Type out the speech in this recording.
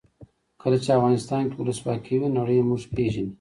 کله چې افغانستان کې ولسواکي وي نړۍ موږ پېژني.